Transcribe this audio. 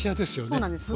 そうなんです。